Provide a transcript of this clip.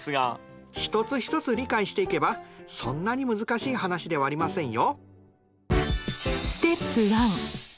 一つ一つ理解していけばそんなに難しい話ではありませんよ。